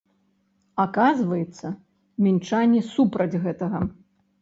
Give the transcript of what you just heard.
Аказваецца, мінчане супраць гэтага.